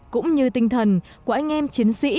cũng như tinh thần của anh em chiến sĩ